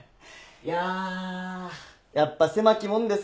いややっぱ狭き門ですね。